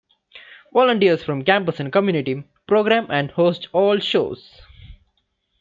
Volunteers from the campus and community program and host all shows.